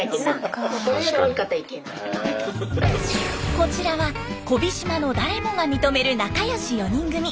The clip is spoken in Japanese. こちらは小飛島の誰もが認める仲良し４人組。